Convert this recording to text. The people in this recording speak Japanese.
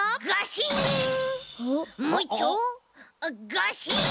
ガシン！